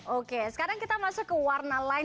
oke sekarang kita masuk ke warna lain